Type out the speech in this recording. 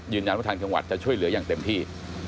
ยืนยันว่าทางจังหวัดจะช่วยเหลืออย่างเต็มที่